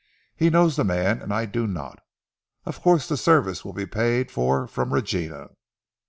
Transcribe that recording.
He knows the man and I do not. Of course the service will be paid for from Regina."